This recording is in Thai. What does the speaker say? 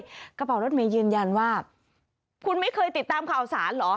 กระเป๋ารถเมย์ยืนยันว่าคุณไม่เคยติดตามข่าวสารเหรอ